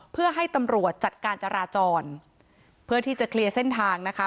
เพื่อให้ตำรวจจัดการจราจรเพื่อที่จะเคลียร์เส้นทางนะคะ